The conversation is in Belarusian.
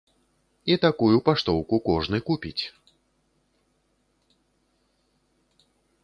І такую паштоўку кожны купіць.